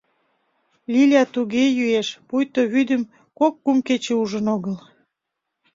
Лиля туге йӱэш, пуйто вӱдым кок-кум кече ужын огыл.